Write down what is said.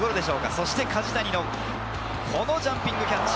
そして梶谷の、このジャンピングキャッチ。